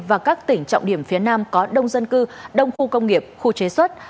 và các tỉnh trọng điểm phía nam có đông dân cư đông khu công nghiệp khu chế xuất